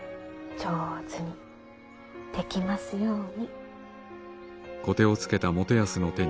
上手にできますように。